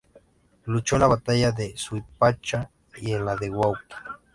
Luchó en la batalla de Suipacha y en la de Huaqui.